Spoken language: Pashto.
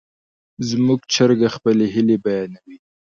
زموږ چرګه خپلې هیلې بیانوي.